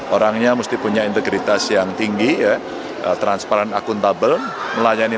orangnya mesti punya integritas yang tinggi ya transparan akuntabel melayani